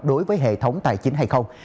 đối với hệ thống tài chính hay không